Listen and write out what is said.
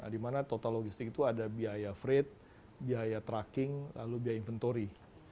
di mana total logistik itu ada biaya frate biaya tracking lalu biaya inventory